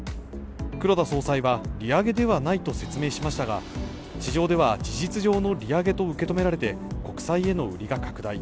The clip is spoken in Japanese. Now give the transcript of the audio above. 黒田総裁は、利上げではないと説明しましたが市場では事実上の利上げと受け止められて国債への売りが拡大。